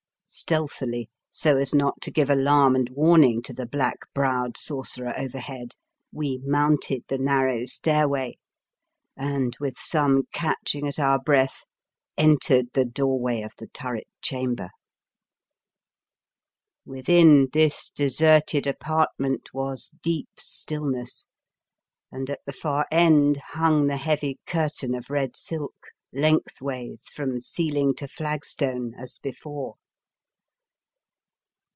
Stealthily, so as not to give alarm and warning to the black browed Sor cerer overhead, we mounted the nar row stairway, and, with some catching at our breath, entered the doorway of the turret chamber. Within this de serted apartment was deep stillness, and at the far end hung the heavy cur tain of red silk, lengthways, from ceil ing to flagstone as before.